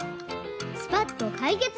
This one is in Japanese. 「スパッとかいけつ！